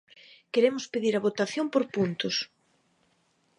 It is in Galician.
Queremos pedir a votación por puntos.